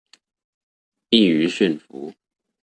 易於馴服